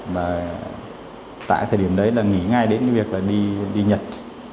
và tại thời điểm đấy là nghĩ ngay đến việc là đi nhật